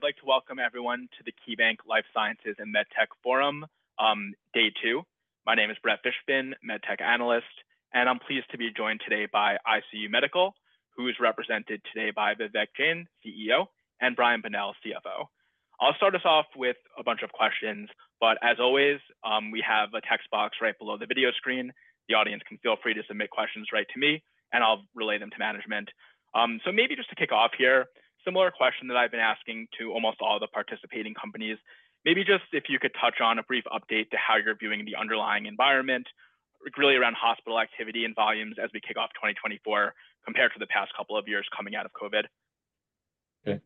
All right, I'd like to welcome everyone to the KeyBanc Life Sciences and MedTech Forum, day two. My name is Brett Fishbein, MedTech analyst, and I'm pleased to be joined today by ICU Medical, who is represented today by Vivek Jain, CEO, and Brian Bonnell, CFO. I'll start us off with a bunch of questions, but as always, we have a text box right below the video screen. The audience can feel free to submit questions right to me, and I'll relay them to management. So maybe just to kick off here, similar question that I've been asking to almost all the participating companies, maybe just if you could touch on a brief update to how you're viewing the underlying environment, really around hospital activity and volumes as we kick off 2024, compared to the past couple of years coming out of COVID. Okay.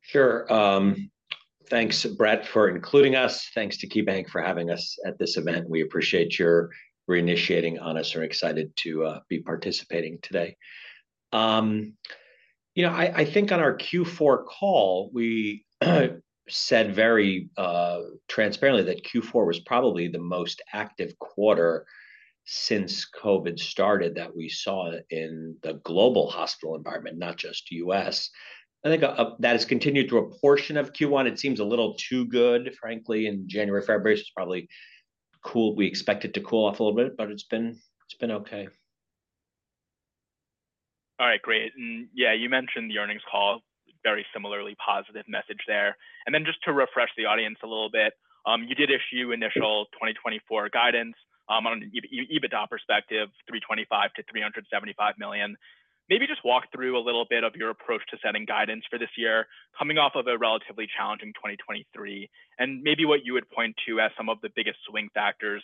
Sure. Thanks, Brett, for including us. Thanks to KeyBank for having us at this event. We appreciate your reinitiating on us. We're excited to be participating today. You know, I think on our Q4 call, we said very transparently that Q4 was probably the most active quarter since COVID started, that we saw in the global hospital environment, not just US. I think that has continued through a portion of Q1. It seems a little too good, frankly, in January, February. It's probably cool. We expect it to cool off a little bit, but it's been, it's been okay. All right, great. And yeah, you mentioned the earnings call, very similarly positive message there. And then just to refresh the audience a little bit, you did issue initial 2024 guidance, on an EBITDA perspective, $325 million-$375 million. Maybe just walk through a little bit of your approach to setting guidance for this year, coming off of a relatively challenging 2023. And maybe what you would point to as some of the biggest swing factors,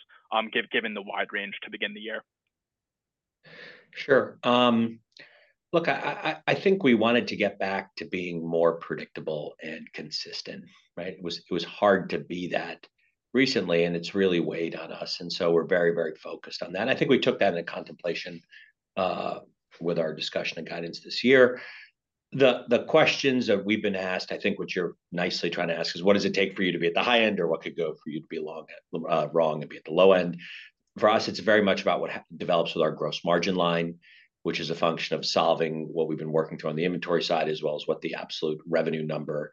given the wide range to begin the year. Sure. Look, I think we wanted to get back to being more predictable and consistent, right? It was hard to be that recently, and it's really weighed on us, and so we're very, very focused on that. And I think we took that into contemplation with our discussion and guidance this year. The questions that we've been asked, I think what you're nicely trying to ask is: What does it take for you to be at the high end, or what could go wrong and be at the low end? For us, it's very much about what develops with our gross margin line, which is a function of solving what we've been working through on the inventory side, as well as what the absolute revenue number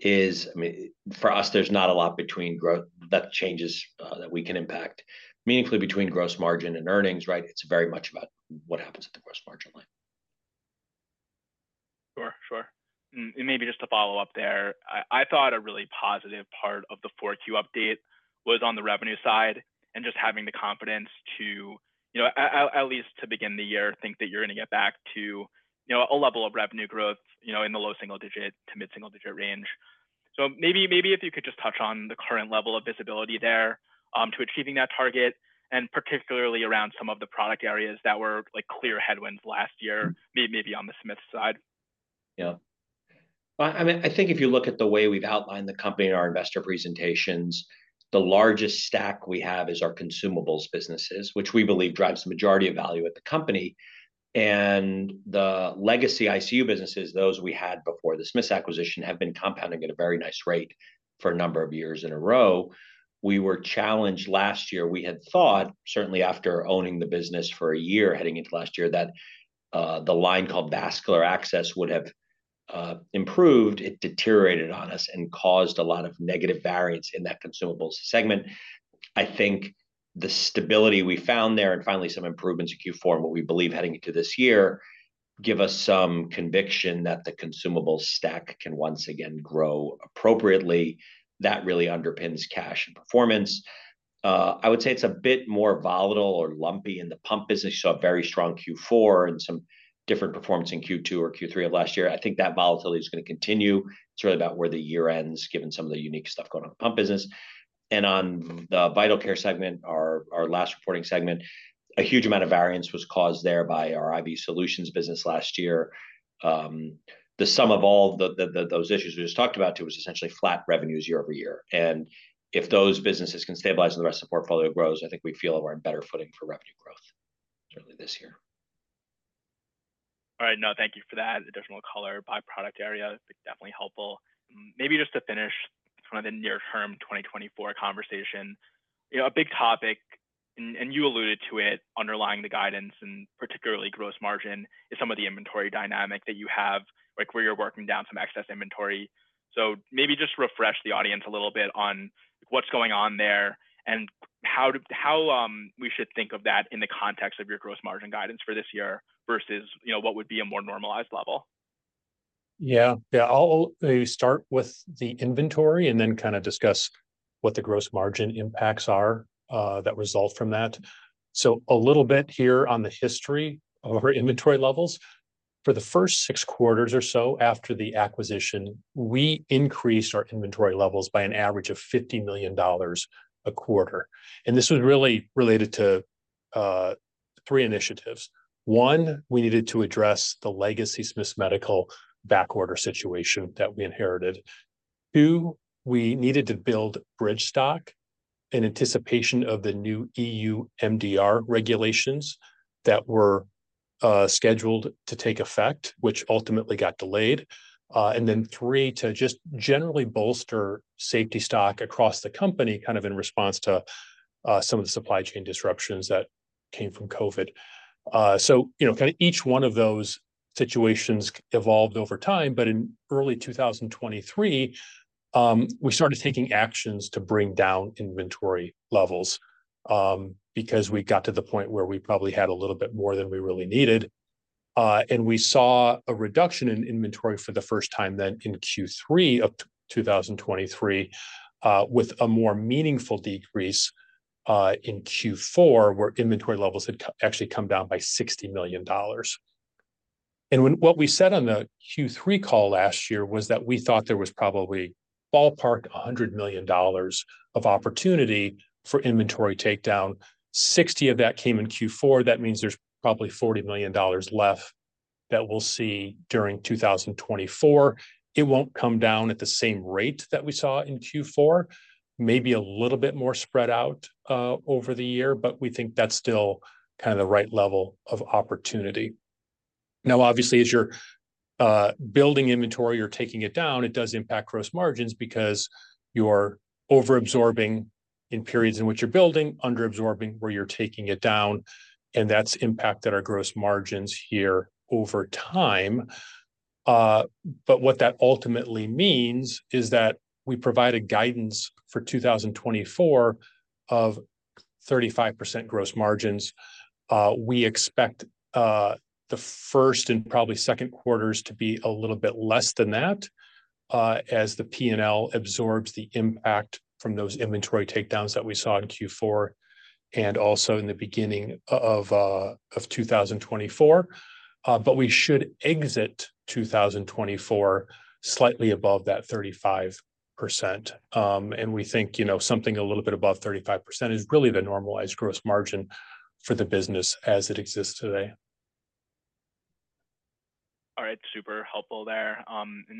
is. I mean, for us, there's not a lot between growth that changes, that we can impact meaningfully between gross margin and earnings, right? It's very much about what happens at the gross margin line. Sure, sure. And maybe just to follow up there, I thought a really positive part of the 4Q update was on the revenue side, and just having the confidence to, you know, at least to begin the year, think that you're gonna get back to, you know, a level of revenue growth, you know, in the low single digit to mid-single digit range. So maybe, maybe if you could just touch on the current level of visibility there, to achieving that target, and particularly around some of the product areas that were, like, clear headwinds last year, maybe on the Smith side. Yeah. Well, I mean, I think if you look at the way we've outlined the company in our investor presentations, the largest stack we have is our consumables businesses, which we believe drives the majority of value at the company. And the legacy ICU businesses, those we had before the Smiths acquisition, have been compounding at a very nice rate for a number of years in a row. We were challenged last year. We had thought, certainly after owning the business for a year, heading into last year, that the line called Vascular Access would have improved. It deteriorated on us and caused a lot of negative variance in that consumables segment. I think the stability we found there, and finally some improvements in Q4, and what we believe heading into this year, give us some conviction that the consumable stack can once again grow appropriately. That really underpins cash and performance. I would say it's a bit more volatile or lumpy in the pump business. So a very strong Q4 and some different performance in Q2 or Q3 of last year. I think that volatility is gonna continue. It's really about where the year ends, given some of the unique stuff going on in the pump business. And on the vital care segment, our, our last reporting segment, a huge amount of variance was caused there by our IV solutions business last year. The sum of all the, the, those issues we just talked about too, was essentially flat revenues year-over-year. And if those businesses can stabilize and the rest of our portfolio grows, I think we feel that we're on better footing for revenue growth, certainly this year. All right, no, thank you for that additional color by product area. Definitely helpful. Maybe just to finish kind of the near-term 2024 conversation, you know, a big topic, and you alluded to it, underlying the guidance and particularly gross margin, is some of the inventory dynamic that you have, like, where you're working down some excess inventory. So maybe just refresh the audience a little bit on what's going on there, and how—how we should think of that in the context of your gross margin guidance for this year versus, you know, what would be a more normalized level. Yeah. Yeah, I'll start with the inventory and then kind of discuss what the gross margin impacts are that result from that. So a little bit here on the history of our inventory levels. For the first 6 quarters or so after the acquisition, we increased our inventory levels by an average of $50 million a quarter, and this was really related to 3 initiatives. 1, we needed to address the legacy Smiths Medical backorder situation that we inherited. 2, we needed to build bridge stock in anticipation of the new EU MDR regulations that were scheduled to take effect, which ultimately got delayed. And then 3, to just generally bolster safety stock across the company, kind of in response to some of the supply chain disruptions that came from COVID. So, you know, kind of each one of those situations evolved over time, but in early 2023, we started taking actions to bring down inventory levels, because we got to the point where we probably had a little bit more than we really needed. And we saw a reduction in inventory for the first time then in Q3 of 2023, with a more meaningful decrease in Q4, where inventory levels had actually come down by $60 million. And what we said on the Q3 call last year was that we thought there was probably ballpark $100 million of opportunity for inventory takedown. 60 of that came in Q4, that means there's probably $40 million left that we'll see during 2024. It won't come down at the same rate that we saw in Q4, maybe a little bit more spread out over the year, but we think that's still kind of the right level of opportunity. Now, obviously, as you're building inventory, you're taking it down, it does impact gross margins because you're over-absorbing in periods in which you're building, under-absorbing where you're taking it down, and that's impacted our gross margins here over time. But what that ultimately means is that we provided guidance for 2024 of 35% gross margins. We expect the first and probably second quarters to be a little bit less than that, as the P&L absorbs the impact from those inventory takedowns that we saw in Q4, and also in the beginning of 2024. But we should exit 2024 slightly above that 35%. And we think, you know, something a little bit above 35% is really the normalized gross margin for the business as it exists today. All right. Super helpful there.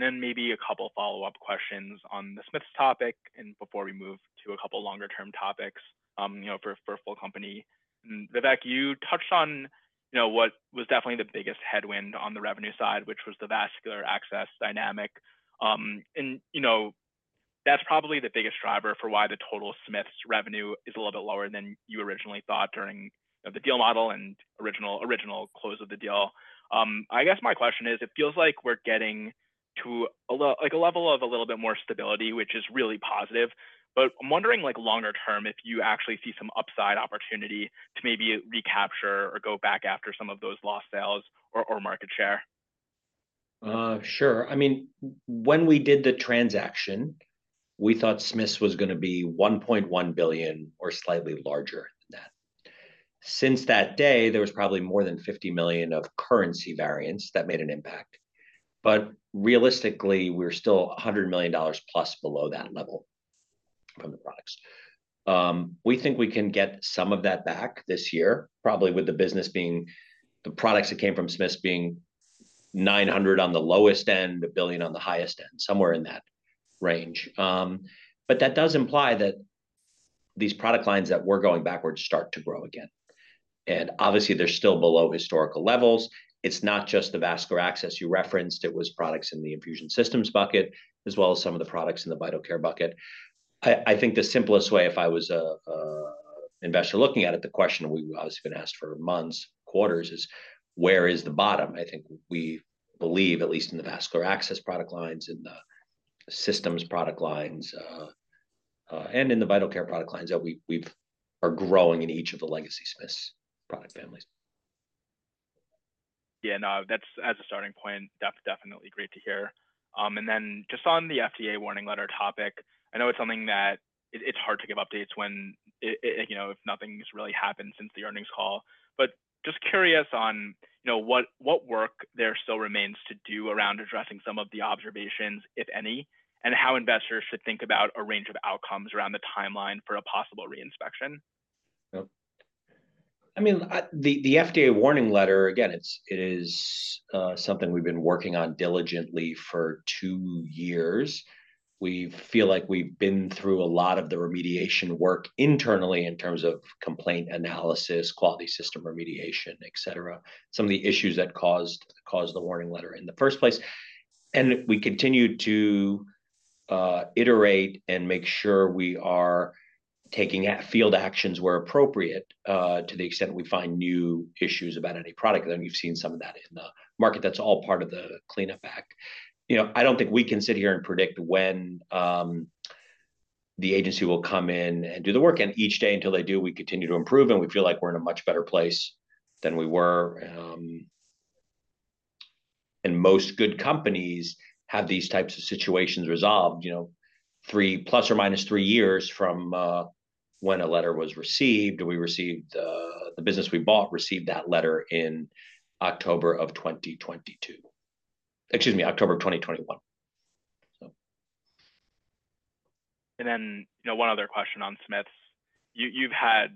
Then maybe a couple follow-up questions on the Smiths topic, and before we move to a couple longer term topics, you know, for full company. Vivek, you touched on, you know, what was definitely the biggest headwind on the revenue side, which was the vascular access dynamic. And you know, that's probably the biggest driver for why the total Smiths revenue is a little bit lower than you originally thought during, you know, the deal model and original close of the deal. I guess my question is, it feels like we're getting to a like, a level of a little bit more stability, which is really positive. But I'm wondering, like, longer term, if you actually see some upside opportunity to maybe recapture or go back after some of those lost sales or market share? Sure. I mean, when we did the transaction, we thought Smiths was gonna be $1.1 billion or slightly larger than that. Since that day, there was probably more than $50 million of currency variance that made an impact. But realistically, we're still $100 million plus below that level from the products. We think we can get some of that back this year, probably with the business being the products that came from Smiths being $900 million on the lowest end, $1 billion on the highest end, somewhere in that range. But that does imply that these product lines that were going backwards, start to grow again. And obviously, they're still below historical levels. It's not just the vascular access you referenced, it was products in the infusion systems bucket, as well as some of the products in the vital care bucket. I think the simplest way, if I was a investor looking at it, the question we've obviously been asked for months, quarters, is: Where is the bottom? I think we believe, at least in the vascular access product lines, in the systems product lines, and in the vital care product lines, that we are growing in each of the legacy Smiths product families. Yeah, no, that's, as a starting point, definitely great to hear. And then just on the FDA warning letter topic, I know it's something that it's hard to give updates when you know, if nothing's really happened since the earnings call. But just curious on, you know, what work there still remains to do around addressing some of the observations, if any, and how investors should think about a range of outcomes around the timeline for a possible reinspection? Yep. I mean, The FDA warning letter, again, it's, it is, something we've been working on diligently for two years. We feel like we've been through a lot of the remediation work internally, in terms of complaint analysis, quality system remediation, et cetera, some of the issues that caused the warning letter in the first place. And we continue to iterate and make sure we are taking field actions where appropriate, to the extent we find new issues about any product, and we've seen some of that in the market. That's all part of the cleanup act. You know, I don't think we can sit here and predict when the agency will come in and do the work. And each day until they do, we continue to improve, and we feel like we're in a much better place than we were. Most good companies have these types of situations resolved, you know, 3 ± 3 years from when a letter was received. We received the business we bought received that letter in October of 2022, excuse me, October of 2021, so. And then, you know, one other question on Smiths. You, you've had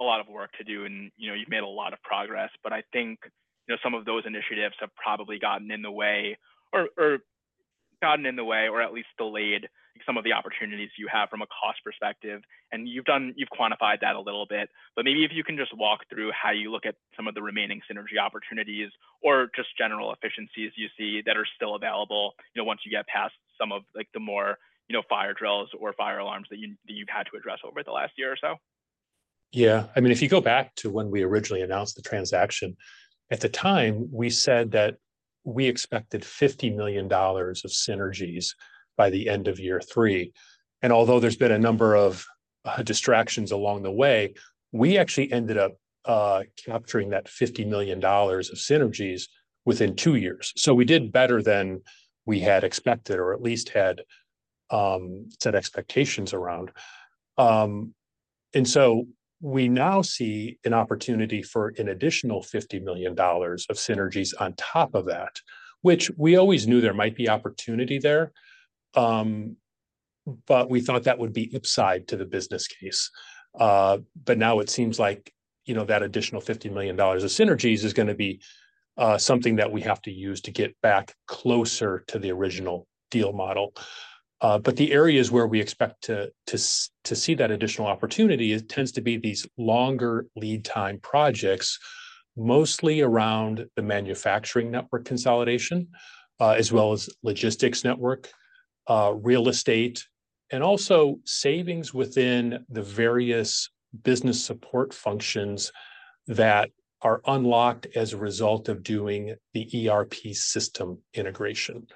a lot of work to do, and, you know, you've made a lot of progress, but I think, you know, some of those initiatives have probably gotten in the way, or, or gotten in the way, or at least delayed some of the opportunities you have from a cost perspective, and you've quantified that a little bit. But maybe if you can just walk through how you look at some of the remaining synergy opportunities, or just general efficiencies you see that are still available, you know, once you get past some of, like, the more, you know, fire drills or fire alarms that you, you've had to address over the last year or so?... Yeah, I mean, if you go back to when we originally announced the transaction, at the time, we said that we expected $50 million of synergies by the end of year three. And although there's been a number of distractions along the way, we actually ended up capturing that $50 million of synergies within two years. So we did better than we had expected or at least had set expectations around. And so we now see an opportunity for an additional $50 million of synergies on top of that, which we always knew there might be opportunity there, but we thought that would be upside to the business case. But now it seems like, you know, that additional $50 million of synergies is gonna be something that we have to use to get back closer to the original deal model. But the areas where we expect to see that additional opportunity, it tends to be these longer lead time projects, mostly around the manufacturing network consolidation, as well as logistics network, real estate, and also savings within the various business support functions that are unlocked as a result of doing the ERP system integration.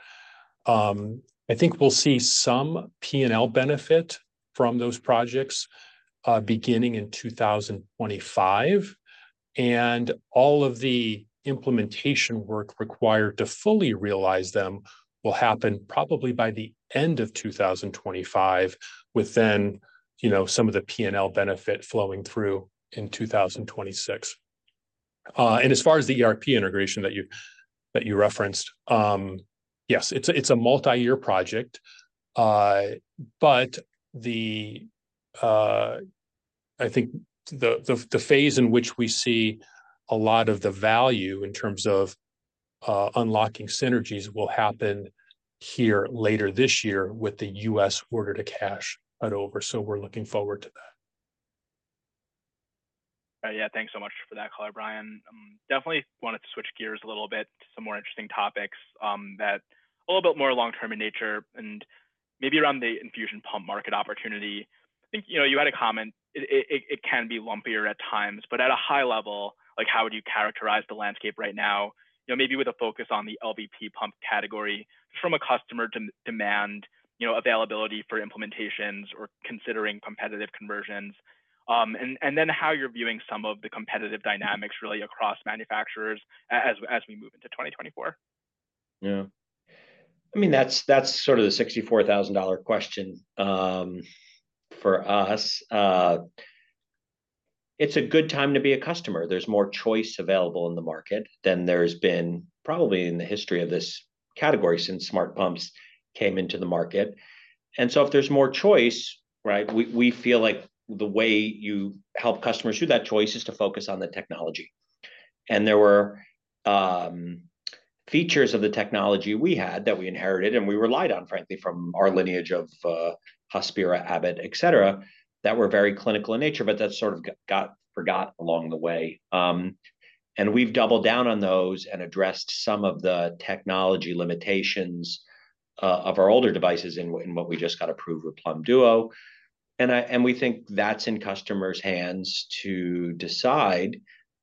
I think we'll see some P&L benefit from those projects, beginning in 2025, and all of the implementation work required to fully realize them will happen probably by the end of 2025, with then, you know, some of the P&L benefit flowing through in 2026. And as far as the ERP integration that you referenced, yes, it's a multi-year project, but I think the phase in which we see a lot of the value in terms of unlocking synergies will happen here later this year with the U.S. order to cash cut over, so we're looking forward to that. Yeah, thanks so much for that color, Brian. Definitely wanted to switch gears a little bit to some more interesting topics that are a little bit more long-term in nature and maybe around the infusion pump market opportunity. I think, you know, you had a comment, it can be lumpier at times, but at a high level, like, how would you characterize the landscape right now, you know, maybe with a focus on the LVP pump category from a customer demand, you know, availability for implementations or considering competitive conversions, and then how you're viewing some of the competitive dynamics really across manufacturers as we move into 2024? Yeah. I mean, that's, that's sort of the $64,000 question for us. It's a good time to be a customer. There's more choice available in the market than there's been probably in the history of this category since Smart Pumps came into the market. And so if there's more choice, right, we, we feel like the way you help customers choose that choice is to focus on the technology. And there were features of the technology we had, that we inherited and we relied on, frankly, from our lineage of Hospira, Abbott, et cetera, that were very clinical in nature, but that sort of got forgot along the way. And we've doubled down on those and addressed some of the technology limitations of our older devices in what we just got approved with Plum Duo, and we think that's in customers' hands to decide.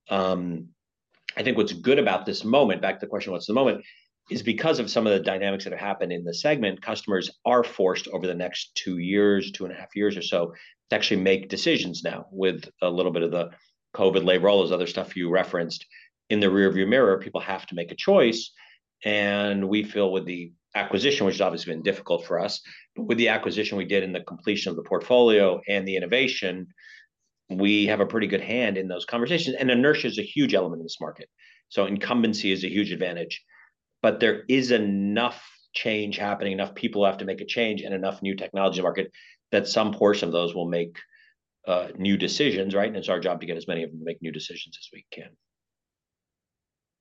I think what's good about this moment, back to the question, what's the moment, is because of some of the dynamics that have happened in the segment, customers are forced over the next 2 years, 2.5 years or so, to actually make decisions now with a little bit of the COVID labor, all those other stuff you referenced, in the rear view mirror. People have to make a choice, and we feel with the acquisition, which has obviously been difficult for us, but with the acquisition we did and the completion of the portfolio and the innovation, we have a pretty good hand in those conversations. And inertia is a huge element in this market, so incumbency is a huge advantage. But there is enough change happening, enough people have to make a change, and enough new technology in the market, that some portion of those will make new decisions, right? And it's our job to get as many of them to make new decisions as we can.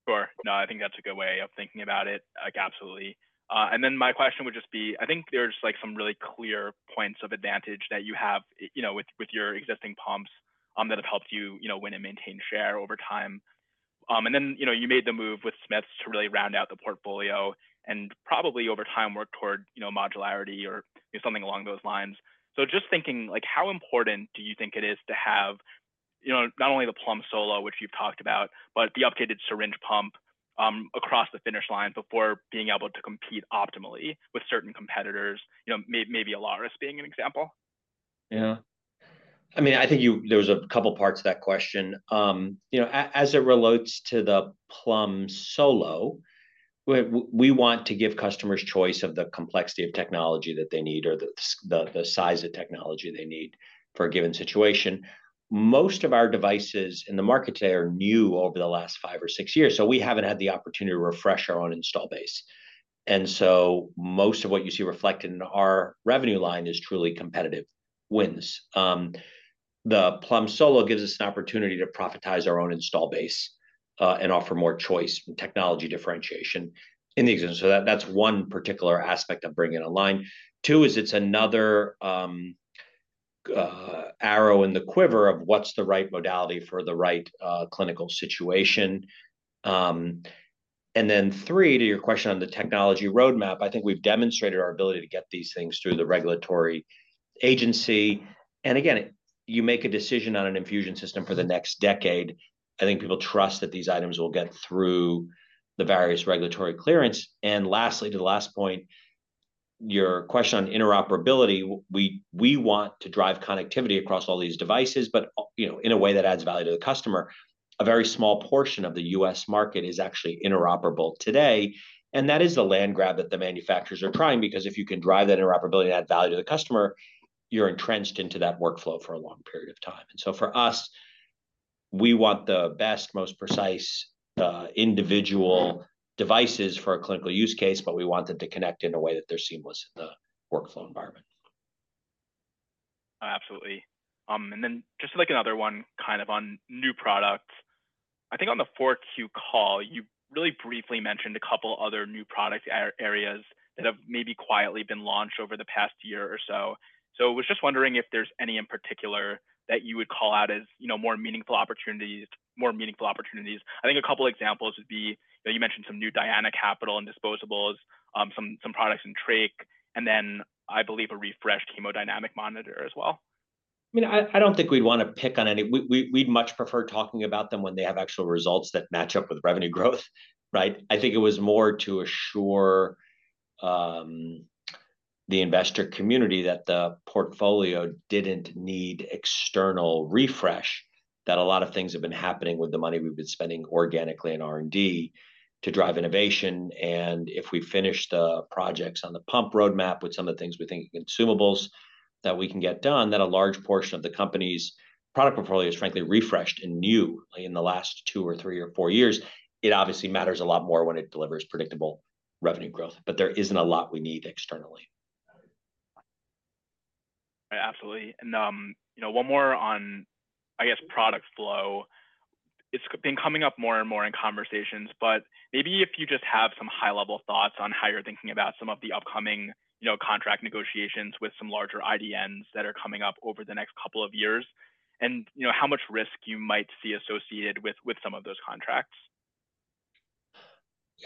Sure. No, I think that's a good way of thinking about it. Like, absolutely. And then my question would just be, I think there are just, like, some really clear points of advantage that you have, you know, with, with your existing pumps, that have helped you, you know, win and maintain share over time. And then, you know, you made the move with Smiths to really round out the portfolio and probably over time, work toward, you know, modularity or something along those lines. So just thinking, like, how important do you think it is to have, you know, not only the Plum Solo, which you've talked about, but the updated syringe pump, across the finish line before being able to compete optimally with certain competitors? You know, maybe Alaris being an example. Yeah. I mean, I think you—there was a couple parts to that question. You know, as it relates to the Plum Solo, we want to give customers choice of the complexity of technology that they need or the size of technology they need for a given situation. Most of our devices in the market today are new over the last five or six years, so we haven't had the opportunity to refresh our own installed base. And so most of what you see reflected in our revenue line is truly competitive wins. The Plum Solo gives us an opportunity to monetize our own installed base and offer more choice and technology differentiation in the existing. So that's one particular aspect of bringing a line. Two is, it's another arrow in the quiver of what's the right modality for the right clinical situation. And then three, to your question on the technology roadmap, I think we've demonstrated our ability to get these things through the regulatory agency. And again, you make a decision on an infusion system for the next decade, I think people trust that these items will get through the various regulatory clearance. And lastly, to the last point, your question on interoperability, we want to drive connectivity across all these devices, but you know, in a way that adds value to the customer. A very small portion of the U.S. market is actually interoperable today, and that is the land grab that the manufacturers are prying, because if you can drive that interoperability and add value to the customer, you're entrenched into that workflow for a long period of time. And so for us, we want the best, most precise, individual devices for a clinical use case, but we want them to connect in a way that they're seamless in the workflow environment. Absolutely. And then just like another one, kind of on new products. I think on the 4Q call, you really briefly mentioned a couple other new product areas that have maybe quietly been launched over the past year or so. So was just wondering if there's any in particular that you would call out as, you know, more meaningful opportunities, more meaningful opportunities. I think a couple examples would be, you mentioned some new Diana capital and disposables, some products in trach, and then I believe a refreshed hemodynamic monitor as well. I mean, I don't think we'd wanna pick on any... We'd much prefer talking about them when they have actual results that match up with revenue growth, right? I think it was more to assure the investor community that the portfolio didn't need external refresh, that a lot of things have been happening with the money we've been spending organically in R&D to drive innovation. And if we finish the projects on the pump roadmap with some of the things we think consumables, that we can get done, then a large portion of the company's product portfolio is frankly refreshed and new in the last two or three or four years. It obviously matters a lot more when it delivers predictable revenue growth, but there isn't a lot we need externally. Absolutely. And, you know, one more on, I guess, product flow. It's been coming up more and more in conversations, but maybe if you just have some high-level thoughts on how you're thinking about some of the upcoming, you know, contract negotiations with some larger IDNs that are coming up over the next couple of years, and, you know, how much risk you might see associated with some of those contracts.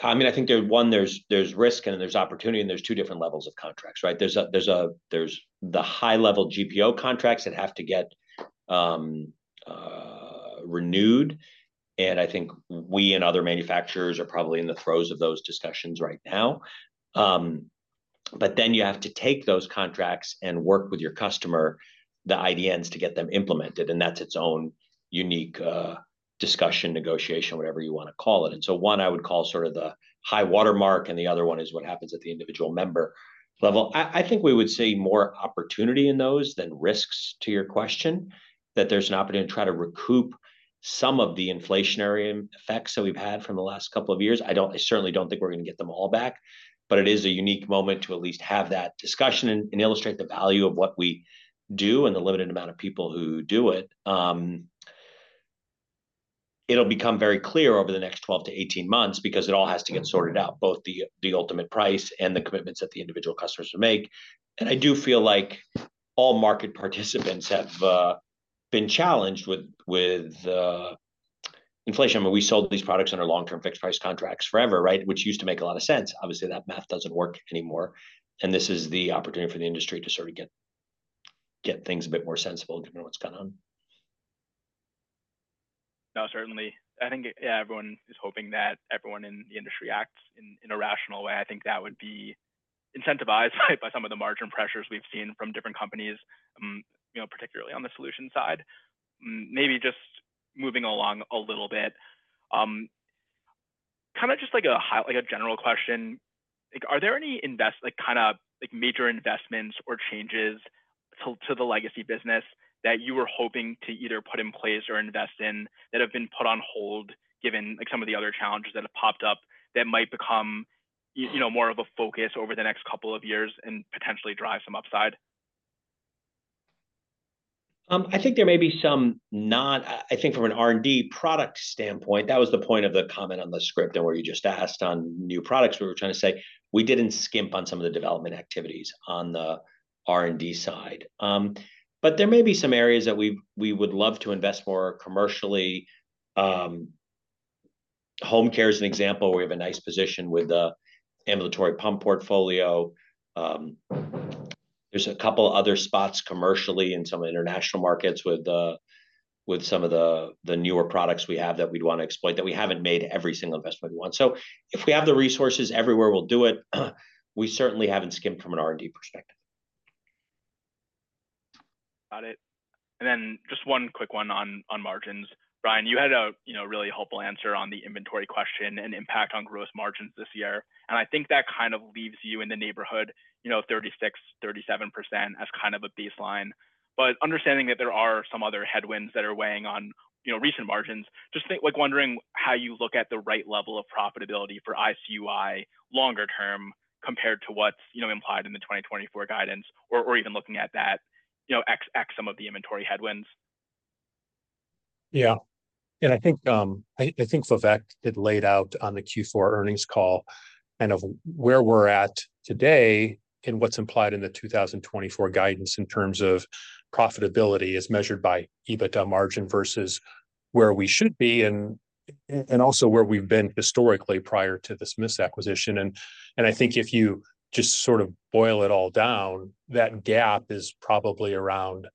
I mean, I think there's risk, and then there's opportunity, and there's two different levels of contracts, right? There's the high-level GPO contracts that have to get renewed, and I think we and other manufacturers are probably in the throes of those discussions right now. But then you have to take those contracts and work with your customer, the IDNs, to get them implemented, and that's its own unique discussion, negotiation, whatever you wanna call it. And so one I would call sort of the high watermark, and the other one is what happens at the individual member level. I think we would see more opportunity in those than risks, to your question, that there's an opportunity to try to recoup some of the inflationary effects that we've had from the last couple of years. I don't, I certainly don't think we're gonna get them all back, but it is a unique moment to at least have that discussion and, and illustrate the value of what we do and the limited amount of people who do it. It'll become very clear over the next 12-18 months because it all has to get sorted out, both the ultimate price and the commitments that the individual customers will make. I do feel like all market participants have been challenged with inflation. But we sold these products under long-term fixed price contracts forever, right? Which used to make a lot of sense. Obviously, that math doesn't work anymore, and this is the opportunity for the industry to sort of get things a bit more sensible given what's going on. No, certainly. I think, yeah, everyone is hoping that everyone in the industry acts in, in a rational way. I think that would be incentivized by some of the margin pressures we've seen from different companies, you know, particularly on the solution side. Maybe just moving along a little bit, kind of just like a general question, like, are there any like, kind of like, major investments or changes to, to the legacy business that you were hoping to either put in place or invest in, that have been put on hold, given, like, some of the other challenges that have popped up, that might become, you know, more of a focus over the next couple of years and potentially drive some upside? I think from an R&D product standpoint, that was the point of the comment on the script and where you just asked on new products. We were trying to say we didn't skimp on some of the development activities on the R&D side. But there may be some areas that we would love to invest more commercially. Home care is an example where we have a nice position with the ambulatory pump portfolio. There's a couple other spots commercially in some of the international markets with some of the newer products we have that we'd wanna exploit, that we haven't made every single investment we want. So if we have the resources everywhere, we'll do it. We certainly haven't skimped from an R&D perspective. Got it. And then just one quick one on, on margins. Brian, you had a, you know, really helpful answer on the inventory question and impact on gross margins this year, and I think that kind of leaves you in the neighborhood, you know, 36%-37% as kind of a baseline. But understanding that there are some other headwinds that are weighing on, you know, recent margins, just think, like, wondering how you look at the right level of profitability for ICUI longer term, compared to what's, you know, implied in the 2024 guidance, or, or even looking at that, you know, some of the inventory headwinds. Yeah. And I think Vivek did lay it out on the Q4 earnings call, kind of where we're at today and what's implied in the 2024 guidance in terms of profitability, as measured by EBITDA margin versus where we should be, and also where we've been historically prior to this Smiths acquisition. And I think if you just sort of boil it all down, that gap is probably around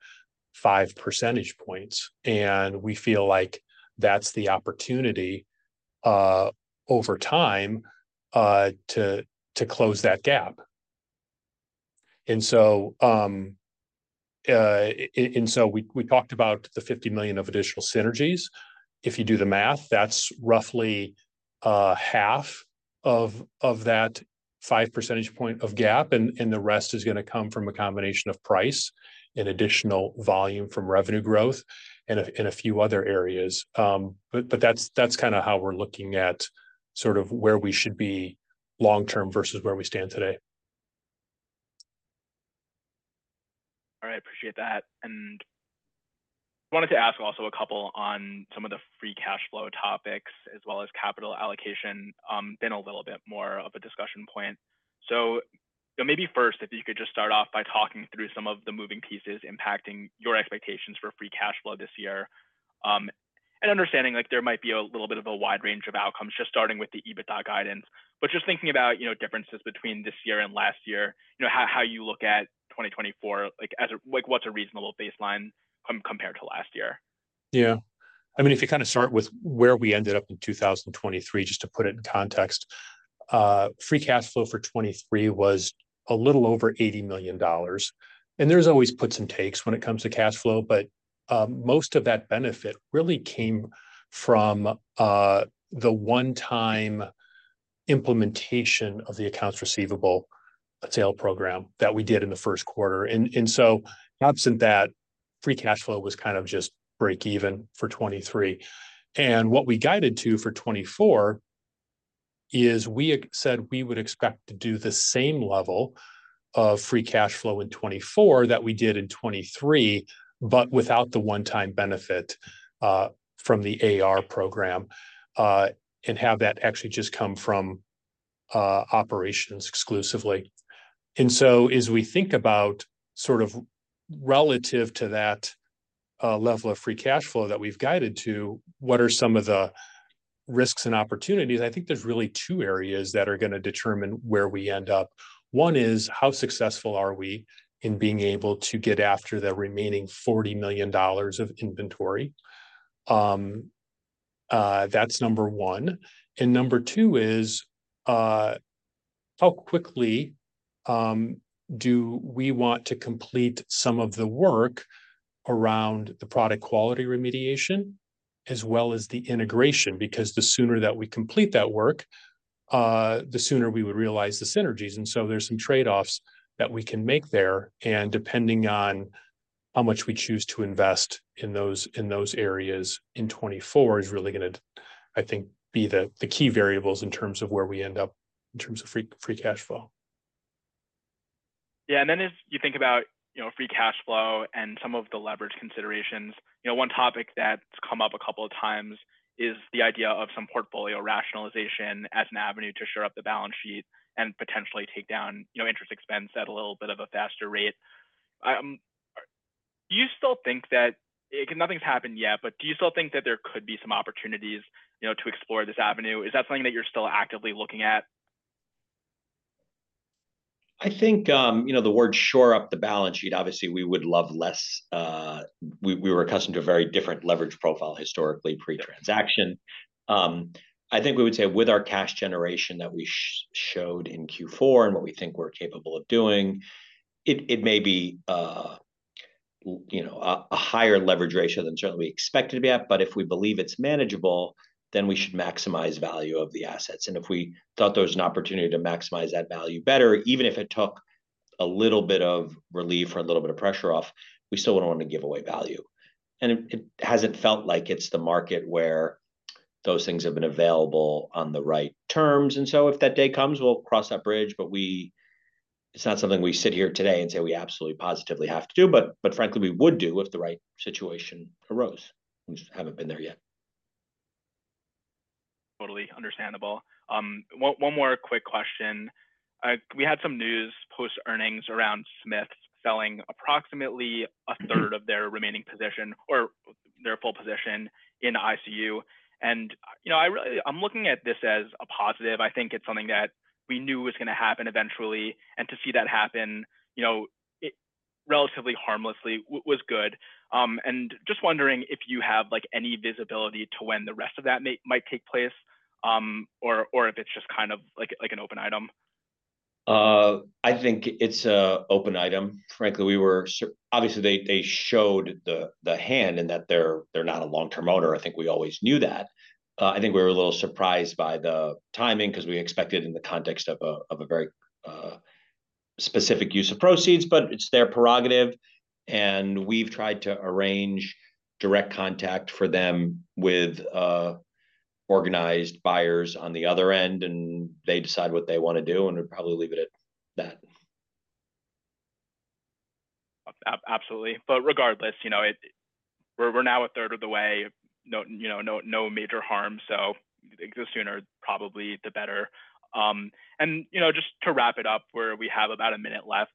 five percentage points, and we feel like that's the opportunity over time to close that gap. And so we talked about the $50 million of additional synergies. If you do the math, that's roughly half of that 5 percentage point gap, and the rest is gonna come from a combination of price and additional volume from revenue growth, and a few other areas. But that's kinda how we're looking at sort of where we should be long term versus where we stand today. All right, appreciate that. And wanted to ask also a couple on some of the free cash flow topics, as well as capital allocation, been a little bit more of a discussion point. So maybe first, if you could just start off by talking through some of the moving pieces impacting your expectations for free cash flow this year. And understanding, like, there might be a little bit of a wide range of outcomes, just starting with the EBITDA guidance. But just thinking about, you know, differences between this year and last year, you know, how you look at 2024, like, as a... like, what's a reasonable baseline compared to last year? Yeah. I mean, if you kinda start with where we ended up in 2023, just to put it in context, free cash flow for 2023 was a little over $80 million. And there's always puts and takes when it comes to cash flow, but most of that benefit really came from the one-time implementation of the accounts receivable sale program that we did in the first quarter. And so absent that, free cash flow was kind of just break even for 2023. And what we guided to for 2024 is we said we would expect to do the same level of free cash flow in 2024 that we did in 2023, but without the one-time benefit from the AR program, and have that actually just come from operations exclusively. And so as we think about sort of relative to that, level of free cash flow that we've guided to, what are some of the risks and opportunities? I think there's really two areas that are gonna determine where we end up. One is, how successful are we in being able to get after the remaining $40 million of inventory? That's number one. And number two is, how quickly do we want to complete some of the work around the product quality remediation, as well as the integration? Because the sooner that we complete that work, the sooner we would realize the synergies, and so there's some trade-offs that we can make there. And depending on how much we choose to invest in those areas in 2024, is really gonna, I think, be the key variables in terms of where we end up in terms of free cash flow. Yeah, and then as you think about, you know, free cash flow and some of the leverage considerations, you know, one topic that's come up a couple of times is the idea of some portfolio rationalization as an avenue to shore up the balance sheet and potentially take down, you know, interest expense at a little bit of a faster rate. Do you still think that... Nothing's happened yet, but do you still think that there could be some opportunities, you know, to explore this avenue? Is that something that you're still actively looking at? I think, you know, the word shore up the balance sheet, obviously we would love less. We were accustomed to a very different leverage profile historically pre-transaction. I think we would say with our cash generation that we showed in Q4, and what we think we're capable of doing, it may be, you know, a higher leverage ratio than certainly we expected to be at, but if we believe it's manageable, then we should maximize value of the assets. And if we thought there was an opportunity to maximize that value better, even if it took a little bit of relief or a little bit of pressure off, we still wouldn't wanna give away value. And it hasn't felt like it's the market where those things have been available on the right terms, and so if that day comes, we'll cross that bridge. But it's not something we sit here today and say we absolutely, positively have to do, but, but frankly, we would do if the right situation arose. We just haven't been there yet. Totally understandable. One more quick question. We had some news post earnings around Smiths selling approximately a third of their remaining position or their full position in ICU, and, you know, I really- I'm looking at this as a positive. I think it's something that we knew was gonna happen eventually, and to see that happen, you know, it relatively harmlessly was good. And just wondering if you have, like, any visibility to when the rest of that might take place, or if it's just kind of like an open item. I think it's an open item. Frankly, we were obviously surprised, they showed the hand, and that they're not a long-term owner. I think we always knew that. I think we were a little surprised by the timing, 'cause we expected in the context of a very specific use of proceeds, but it's their prerogative, and we've tried to arrange direct contact for them with organized buyers on the other end, and they decide what they wanna do, and we'll probably leave it at that. Absolutely. But regardless, you know, we're now a third of the way, no, you know, no major harm, so the sooner, probably the better. And, you know, just to wrap it up, where we have about a minute left,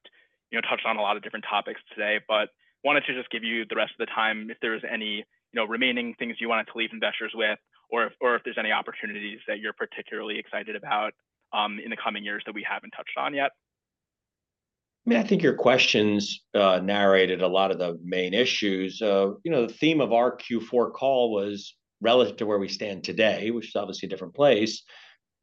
you know, touched on a lot of different topics today, but wanted to just give you the rest of the time, if there's any, you know, remaining things you wanted to leave investors with, or if there's any opportunities that you're particularly excited about, in the coming years that we haven't touched on yet. I mean, I think your questions narrated a lot of the main issues. You know, the theme of our Q4 call was relative to where we stand today, which is obviously a different place.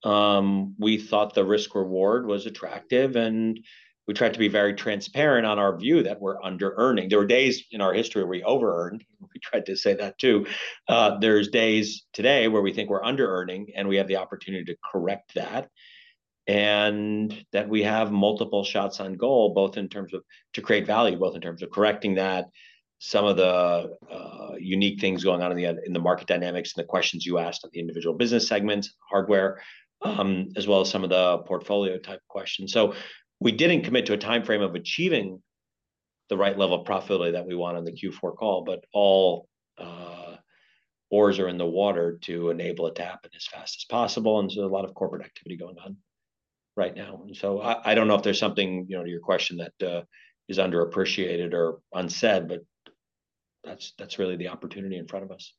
We thought the risk/reward was attractive, and we tried to be very transparent on our view that we're under-earning. There were days in our history where we over-earned. We tried to say that too. There's days today where we think we're under-earning, and we have the opportunity to correct that, and that we have multiple shots on goal, both in terms of... To create value, both in terms of correcting that, some of the unique things going on in the, in the market dynamics and the questions you asked of the individual business segments, hardware, as well as some of the portfolio-type questions. So we didn't commit to a timeframe of achieving the right level of profitability that we want on the Q4 call, but all oars are in the water to enable it to happen as fast as possible, and there's a lot of corporate activity going on right now. And so I don't know if there's something, you know, to your question that is underappreciated or unsaid, but that's really the opportunity in front of us.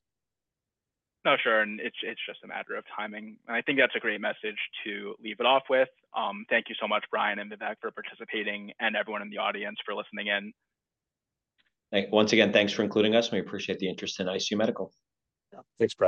No, sure, and it's, it's just a matter of timing, and I think that's a great message to leave it off with. Thank you so much, Brian and Vivek, for participating, and everyone in the audience for listening in. Thank you. Once again, thanks for including us. We appreciate the interest in ICU Medical. Thanks, Brett.